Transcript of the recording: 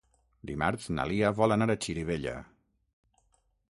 Dimarts na Lia vol anar a Xirivella.